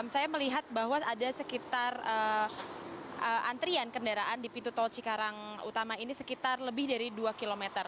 saya melihat bahwa ada sekitar antrian kendaraan di pintu tol cikarang utama ini sekitar lebih dari dua km